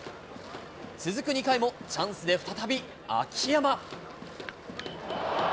続く２回も、チャンスで再び秋山。